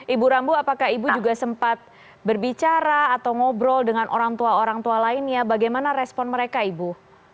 ibu rambu apakah ibu juga sempat berbicara atau ngobrol dengan orang tua orang tua lainnya bagaimana respon mereka ibu